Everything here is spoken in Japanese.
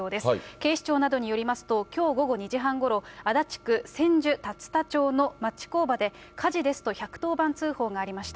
警視庁などによりますと、きょう午後２時半ごろ、足立区千住龍田町の町工場で火事ですと、１１０番通報がありました。